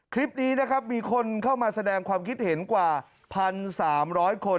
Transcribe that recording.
คลิปนี้นะครับมีคนเข้ามาแสดงความคิดเห็นกว่า๑๓๐๐คน